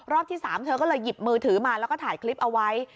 ที่๓เธอก็เลยหยิบมือถือมาแล้วก็ถ่ายคลิปเอาไว้